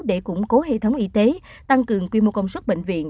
để củng cố hệ thống y tế tăng cường quy mô công suất bệnh viện